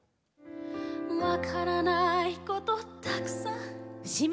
「わからないことたくさん」